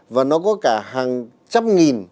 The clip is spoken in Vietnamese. và nó có cả hàng trăm nghìn